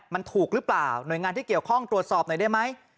มันถูกหรือเปล่าหน่วยงานที่เกี่ยวข้องตรวจสอบหน่อยได้ไหม